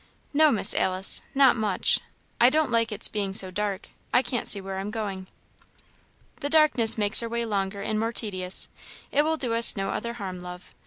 "No, Miss Alice not much I don't like its being so dark; I can't see where I am going." "The darkness makes our way longer and more tedious; it will do us no other harm, love.